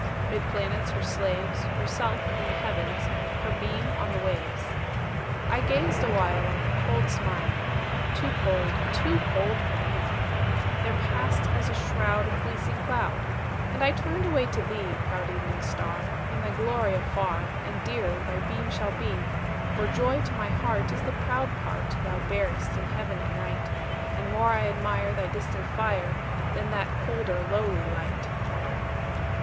'Mid planets her slaves, Herself in the Heavens, Her beam on the waves. I gazed awhile On her cold smile; Too cold—too cold for me— There passed, as a shroud, A fleecy cloud, And I turned away to thee, Proud Evening Star, In thy glory afar And dearer thy beam shall be; For joy to my heart Is the proud part Thou bearest in Heaven at night, And more I admire Thy distant fire, Than that colder, lowly light.